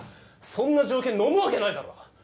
そんな条件のむわけないだろ！